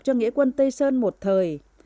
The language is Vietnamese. cho nghĩa quân tây sơn một thời